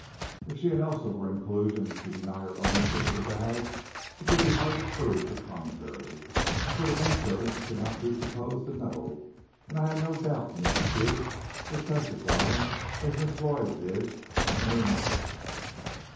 If she and Elsa were in collusion to deny her ownership of the bag, it would be hard to prove the contrary, for the men servants could not be supposed to know, and I had no doubt Mrs. Pierce would testify as Miss Lloyd did on any matter.